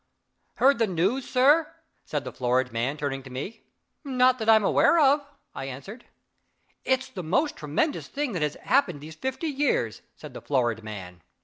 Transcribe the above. "Heard the news, sir?" said the florid man, turning to me. "Not that I am aware of," I answered. "It's the most tremendous thing that has happened these fifty years," said the florid man.